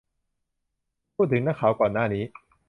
คุณพูดถึงนักข่าวก่อนหน้านี้ ?